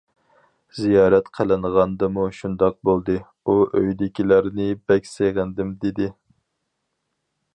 زىيارەت قىلىنغاندىمۇ شۇنداق بولدى، ئۇ: ئۆيدىكىلەرنى بەك سېغىندىم، دېدى.